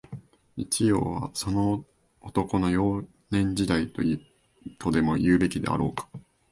一葉は、その男の、幼年時代、とでも言うべきであろうか